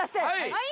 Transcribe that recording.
はい！